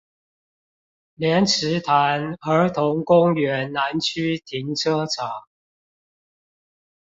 蓮池潭兒童公園南區停車場